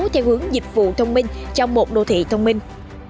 theo hướng dịch vụ thông minh trong một đô thị thông minh